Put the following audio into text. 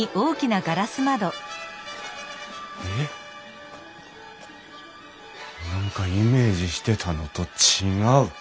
え何かイメージしてたのと違う！